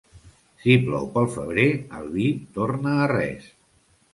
Si plou pel febrer, el vi torna a res.